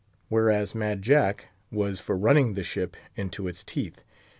Whereas, Mad Jack was for running the ship into its teeth.